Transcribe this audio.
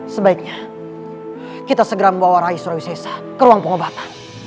sebaiknya kita segera membawa rai surausesa ke ruang pengobatan